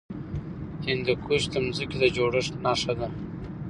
هندوکش د ځمکې د جوړښت نښه ده.